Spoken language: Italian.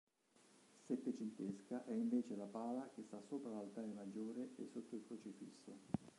Settecentesca è invece la pala che sta sopra l'altare maggiore e sotto il crocifisso.